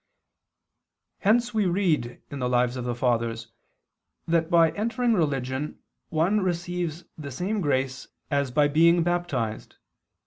Hence we read in the Lives of the Fathers (vi, 1) that by entering religion one receives the same grace as by being baptized.